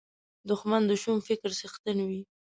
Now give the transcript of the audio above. دښمن د شوم فکر څښتن وي